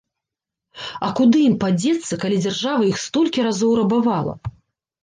А куды ім падзецца, калі дзяржава іх столькі разоў рабавала!